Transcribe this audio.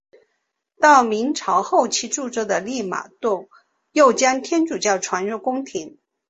到明朝后期著名的利玛窦又将天主教传入宫廷。